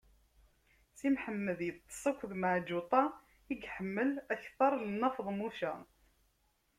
Si Mḥemmed iṭṭeṣ akked Meɛǧuṭa i yeḥemmel akteṛ n Nna Feḍmuca.